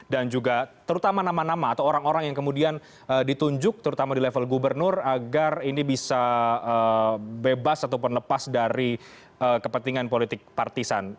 dan juga terutama nama nama atau orang orang yang kemudian ditunjuk terutama di level gubernur agar ini bisa bebas ataupun lepas dari kepentingan politik partisan